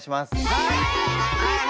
はい！